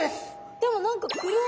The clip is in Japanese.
でも何か黒い。